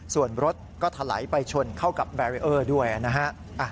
ส่วนรถก็ถลายไปชนเข้ากับแบรีเออร์ด้วยนะฮะ